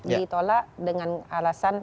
ditolak dengan alasan